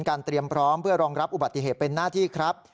เตรียมพร้อมเพื่อรองรับอุบัติเหตุเป็นหน้าที่ครับ